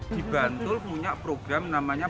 di bantul punya program namanya